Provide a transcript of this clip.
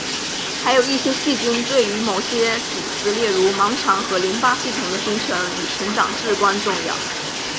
还有一些细菌对于某些组织例如盲肠和淋巴系统的形成与成长至关重要。